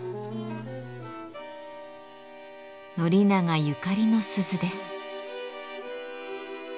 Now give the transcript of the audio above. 宣長ゆかりの鈴です。